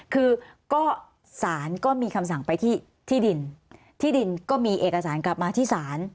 คือก็สารก็มีคำสั่งไปที่ที่ดินที่ดินก็มีเอกสารกลับมาที่ศาล